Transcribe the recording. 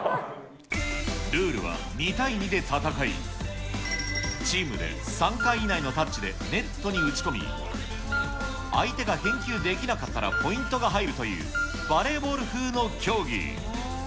ルールは２対２で戦い、チームで３回以内のタッチでネットに打ち込み、相手が返球できなかったらポイントが入るという、バレーボール風の競技。